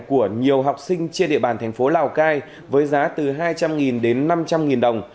của nhiều học sinh trên địa bàn thành phố lào cai với giá từ hai trăm linh đến năm trăm linh đồng